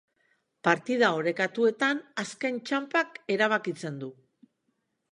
Partida orekatuetan, azken txanpak erabakitzen du.